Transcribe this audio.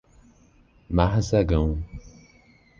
Marzagão